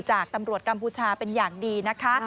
จากตำรวจกัมพูชาเป็นอย่างดีนะคะ